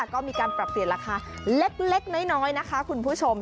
ก็มีการปรับเปลี่ยนราคาเล็กน้อยนะคะคุณผู้ชม